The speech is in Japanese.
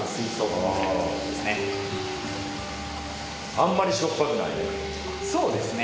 あんまりしょっぱくないね。